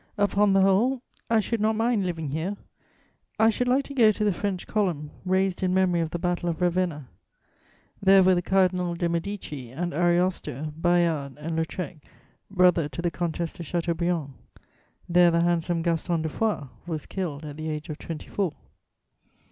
Upon the whole, I should not mind living here; I should like to go to the French Column, raised in memory of the Battle of Ravenna. There were the Cardinal de Medici and Ariosto, Bayard and Lautrec, brother to the Comtesse de Chateaubriand. There the handsome Gaston de Foix was killed at the age of twenty four.